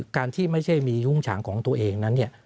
การที่ไม่ใช่มียุ้งฉางของตัวเองนั้นเนี่ย